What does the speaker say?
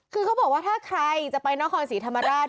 คือเขาบอกว่าถ้าใครจะไปนครศรีธรรมราช